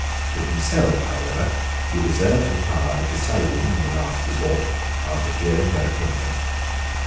To himself, however, he reserved the power of deciding in the last resort, after hearing their opinion.